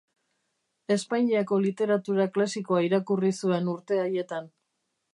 Espainiako literatura klasikoa irakurri zuen urte haietan.